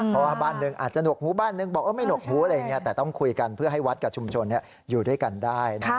เพราะว่าบ้านหนึ่งอาจจะหนวกหูบ้านหนึ่งบอกไม่หนกหูอะไรอย่างนี้แต่ต้องคุยกันเพื่อให้วัดกับชุมชนอยู่ด้วยกันได้นะ